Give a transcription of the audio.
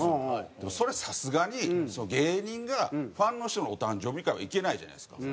でもそれさすがに芸人がファンの人のお誕生日会は行けないじゃないですか。